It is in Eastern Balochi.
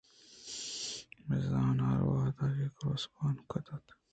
بہ زاں ہر وہدے کہ کُروسءَبانگ دات